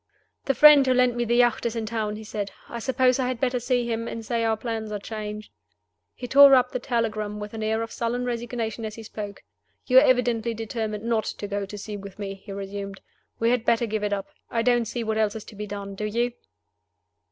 "The friend who lent me the yacht is in town," he said. "I suppose I had better see him, and say our plans are changed." He tore up the telegram with an air of sullen resignation as he spoke. "You are evidently determined not to go to sea with me," he resumed. "We had better give it up. I don't see what else is to be done. Do you?"